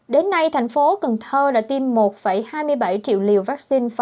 đến nay tp cần thơ đã tiêm một hai mươi bảy triệu liều vaccine